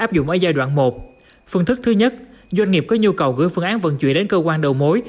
phương thức thứ nhất doanh nghiệp có nhu cầu gửi phương án vận chuyển đến cơ quan đầu mối